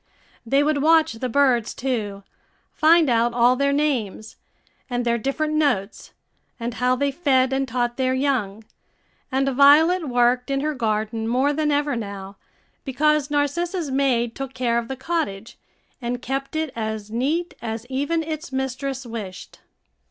They would watch the birds too, find out all their names, and their different notes, and how they fed and taught their young; and Violet worked in her garden more than ever now, because Narcissa's maid took care of the cottage, and kept it as neat as even its mistress wished.